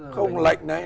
không lệnh đấy